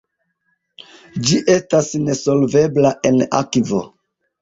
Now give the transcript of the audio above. Ĝi estas nesolvebla en akvo.